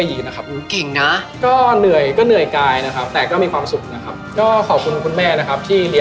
ที่เรากลับมาช่วยธุรกิจขึ้นบ้านและกดหนี้ประมาณเมื่อกี่ปี